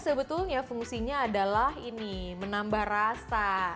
sebetulnya fungsinya adalah ini menambah rasa